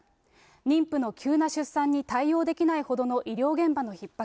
妊婦の急な出産に対応できないほどの医療現場のひっ迫。